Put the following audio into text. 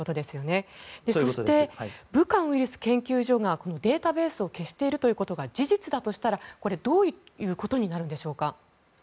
そして、武漢ウイルス研究所がデータベースを消していることが事実だとしたら、どういうことになるのでしょうか。